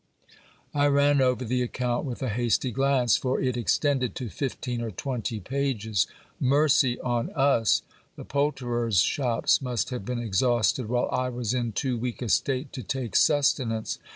I ran over the account with a hasty glance ; for it extended to fifteen or twenty pages. Mercy on us! The poulterers' shops must have been exhausted, while I was in too weak a state to take sustenance